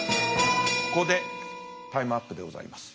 ここでタイムアップでございます。